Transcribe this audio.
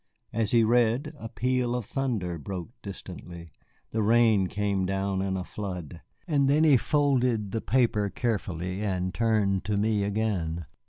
As he read a peal of thunder broke distantly, the rain came down in a flood. Then he folded the paper carefully and turned to me again.